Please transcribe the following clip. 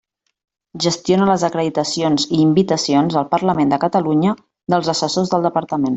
Gestiona les acreditacions i invitacions al Parlament de Catalunya dels assessors del Departament.